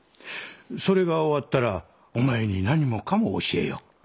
それが終わったらお前に何もかも教えよう。